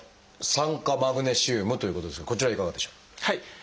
酸化マグネシウムということですがこちらはいかがでしょう？